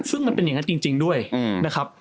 ซึ่งมันเป็นอย่างนั้นจริงด้วยนะครับ